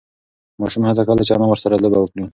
ماشوم هڅه کوله چې انا ورسه لوبه وکړي.